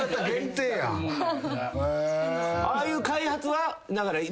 ああいう開発は？